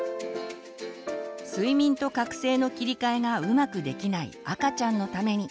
睡眠と覚醒の切り替えがうまくできない赤ちゃんのために。